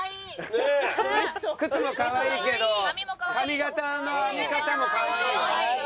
靴もかわいいけど髪形の編み方もかわいいよ。